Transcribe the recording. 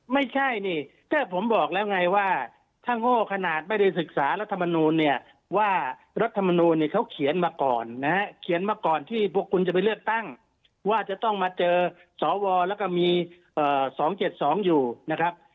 ไม่ใช่นี่แค่ผมบอกแล้วไงว่าถ้าโง่ขนาดไม่ได้ศึกษารัฐมนูลเนี่ยว่ารัฐมนูลเนี่ยเขาเขียนมาก่อนนะฮะเขียนมาก่อนที่พวกคุณจะไปเลือกตั้งว่าจะต้องมาเจอสวแล้วก็มี๒๗๒อยู่นะครับ